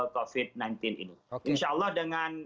covid sembilan belas ini insya allah dengan